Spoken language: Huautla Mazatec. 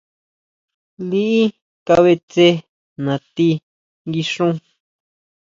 Liʼí kabʼe tse natí guixún.